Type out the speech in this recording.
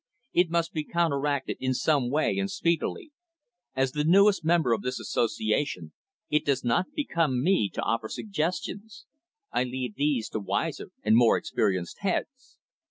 "It must be counteracted in some way and speedily. As the newest member of this association, it does not become me to offer suggestions. I leave these to wiser and more experienced heads."